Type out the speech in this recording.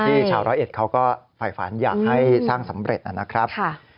ชาวร้อยเอ็ดเขาก็ฝ่ายฝันอยากให้สร้างสำเร็จนะครับ